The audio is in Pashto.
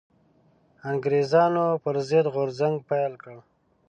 انګرېزانو پر ضد غورځنګ پيل کړ